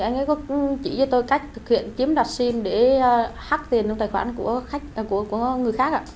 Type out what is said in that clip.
anh ấy có chỉ cho tôi cách thực hiện kiếm đặt sim để hắc tiền trong tài khoản của người khác